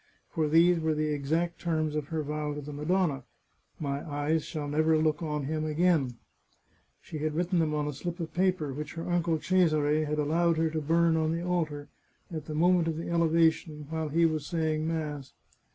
For these were the exact terms of her vow to the Madonna :" My eyes shall ner>er look on him again" She had written them on a slip of paper which her uncle Cesare had allowed her to burn on the altar, at the moment of the elevation, while he was saying mass.